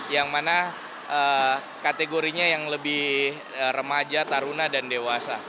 yang mana kategorinya yang lebih remaja taruna dan dewasa